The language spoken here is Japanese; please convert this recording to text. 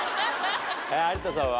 有田さんは？